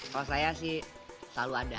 kalau saya sih selalu ada